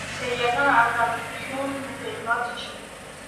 Սերիական արտադրության դրված չէ։